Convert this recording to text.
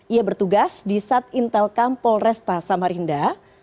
ia bertugas di sat intel kampol resta samarinda